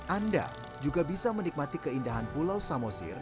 anda juga bisa menikmati keindahan pulau samosir